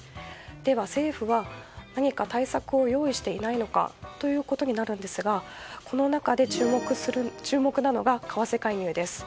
では、政府は何か対策を用意していないのかということになるんですがこの中で注目なのが為替介入です。